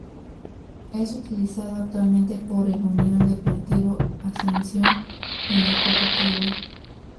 Es utilizado actualmente por el Unión Deportivo Ascensión en la Copa Perú.